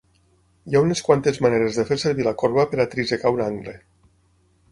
Hi ha unes quantes maneres de fer servir la corba per a trisecar un angle.